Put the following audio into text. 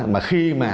mà khi mà